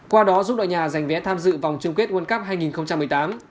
qua đó giúp đội nhà giành vé tham dự vòng chương quyết world cup hai nghìn một mươi tám